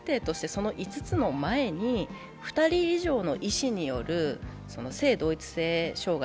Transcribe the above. その５つの前に、２人以上の医師による性同一性障害